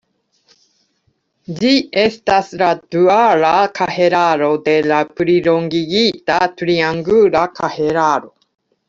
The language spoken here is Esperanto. Ĝi estas la duala kahelaro de la plilongigita triangula kahelaro.